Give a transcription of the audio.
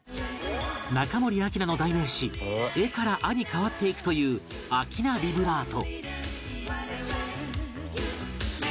中森明菜の代名詞「エ」から「ア」に変わっていくという明菜ビブラート